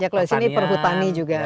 ya kalau di sini perhutani juga kan